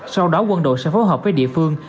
sau đó quân đội sẽ phối hợp với địa phương